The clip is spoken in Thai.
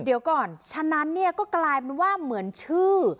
เดี๋ยวก่อนฉะนั้นเนี่ยก็กลายเป็นว่าเหมือนชื่อ